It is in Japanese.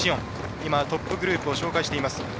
トップグループ紹介しています。